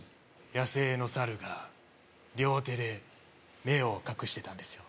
野生のサルが両手で目を隠してたんですよ